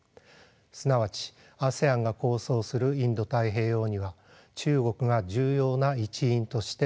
すなわちＡＳＥＡＮが構想するインド太平洋には中国が重要な一員として含まれています。